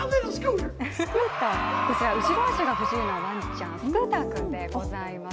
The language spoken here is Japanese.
こちら、後ろ足が不自由なわんちゃん、スクーターです。